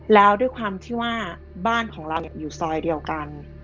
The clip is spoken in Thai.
แล้วด้วยความที่ว่าบ้านของเราอยู่ซอยเดียวกัน